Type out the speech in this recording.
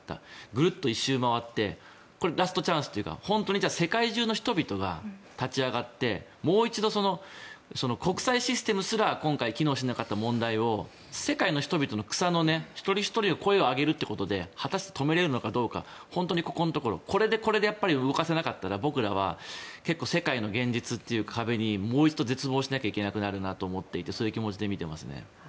グルッと１周回ってこれはラストチャンスというか本当に世界中の人々が立ち上がってもう一度、国際システムすら今回、機能しなかった問題を世界の人々の草の根一人ひとりが声を上げることで果たして止められるのかどうかこれでやっぱり動かせなかったら僕らは結構世界の現実という壁にもう一度絶望しなきゃいけなくなるなとそういう気持ちで見ていますね。